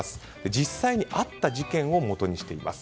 実際にあった事件をもとにしています。